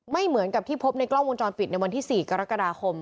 ไม่เหมือนกับที่พบในกล้องวงจรปิดในวันที่๔กรกฎาคม